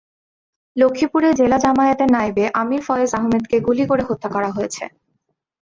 লক্ষ্মীপুরে জেলা জামায়াতের নায়েবে আমির ফয়েজ আহমদকে গুলি করে হত্যা করা হয়েছে।